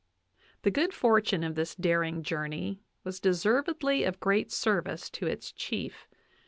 The good fortune of this daring journey was deservedly of great service to its chief.